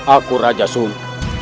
aku raja sung